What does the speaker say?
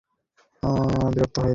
রাজলক্ষ্মী বধূর ব্যবহারে বিরক্ত হইলেন।